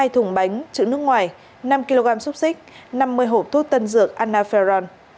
hai thùng bánh chữ nước ngoài năm kg xúc xích năm mươi hộp thuốc tân dược anaferon